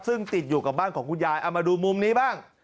ซึ่งติดอยู่กับบ้านของคุณยายเอามาดูมุมนี้บ้าง